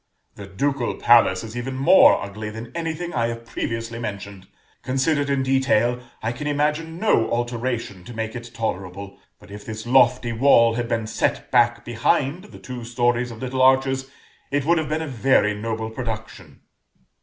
"The Ducal Palace is even more ugly than anything I have previously mentioned. Considered in detail, I can imagine no alteration to make it tolerable; but if this lofty wall had been set back behind the two stories of little arches, it would have been a very noble production."